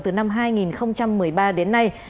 từ năm hai nghìn một mươi ba đến nay